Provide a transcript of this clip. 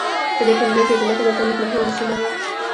په دې ټولنه کې ځمکه د تولید مهمه وسیله وه.